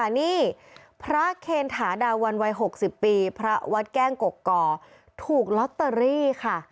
ตอนนี้พระเครณฐาดาววันวัย๖๐ปีพระวัดแก้งกก่อถูกล็อตเตอรี่ค่ะ